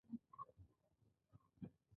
بې فکري بد دی.